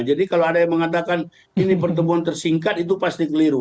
jadi kalau ada yang mengatakan ini pertemuan tersingkat itu pasti keliru